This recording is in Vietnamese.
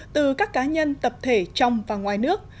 từ các cá nhân tập thể trong và ngoài nước